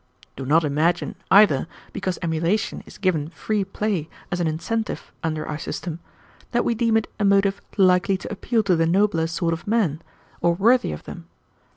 "Do not imagine, either, because emulation is given free play as an incentive under our system, that we deem it a motive likely to appeal to the nobler sort of men, or worthy of them.